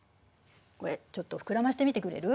これちょっと膨らませてみてくれる？